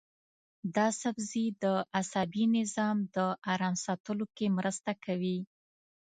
دا سبزی د عصبي نظام د ارام ساتلو کې مرسته کوي.